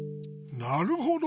なるほど。